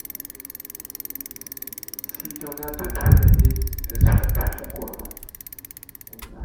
S’il y en a de trop gâtées, elles seront pour Tronquoy.